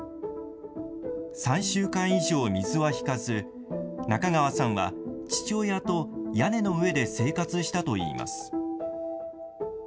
３週間以上、水は引かず中川さんは父親と屋根の上で生活したといいます。